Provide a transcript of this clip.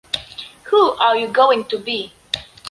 Who are you going to be?